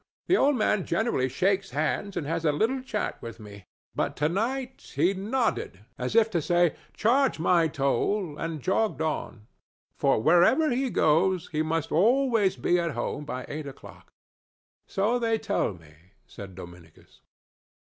The old man generally shakes hands and has a little chat with me, but to night he nodded, as if to say, 'Charge my toll,' and jogged on; for, wherever he goes, he must always be at home by eight o'clock." "So they tell me," said Dominicus.